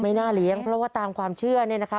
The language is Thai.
น่าเลี้ยงเพราะว่าตามความเชื่อเนี่ยนะคะ